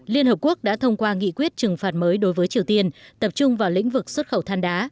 liên hợp quốc đã thông qua nghị quyết trừng phạt mới đối với triều tiên tập trung vào lĩnh vực xuất khẩu than đá